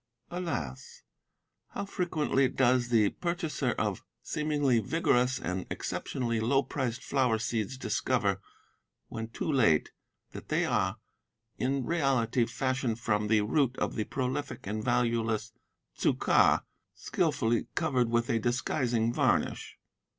"Alas! how frequently does the purchaser of seemingly vigorous and exceptionally low priced flower seeds discover, when too late, that they are, in reality, fashioned from the root of the prolific and valueless tzu ka, skilfully covered with a disguising varnish!